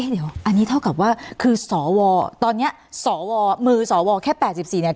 เดี๋ยวอันนี้เท่ากับว่าคือสวตอนนี้สวมือสวแค่๘๔เนี่ย